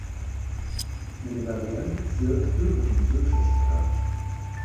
Eine Variante führt über den Südwestgrat.